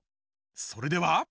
それでは。